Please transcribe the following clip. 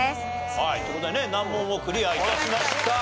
はいという事でね難問をクリア致しました。